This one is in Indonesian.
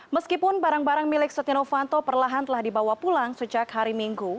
meskipun barang barang milik setia novanto perlahan telah dibawa pulang sejak hari minggu